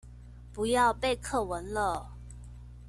不要背課文了